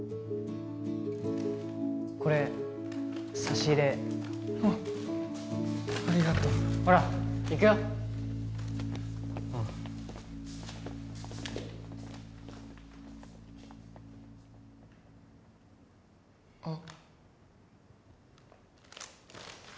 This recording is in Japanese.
これ差し入れあっありがとうほら行くよあああっ